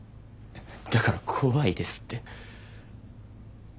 だから怖いですって。